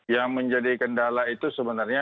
yang menjadi kendala itu sebenarnya